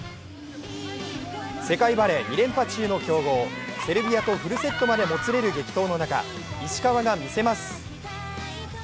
世界バレー２連覇中の強豪セルビアとフルセットまでもつれる激闘の中、石川がみせます。